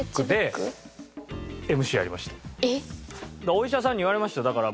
お医者さんに言われましたよだから。